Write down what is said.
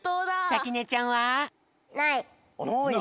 さきねちゃんは？ないの？